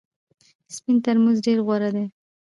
سپین ترموز ډېر غوره دی .